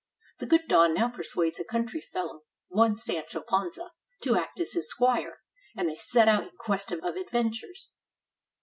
[The good Don now persuades a country fellow, one Sancho Panza, to act as his squire, and they set out in quest of adventures.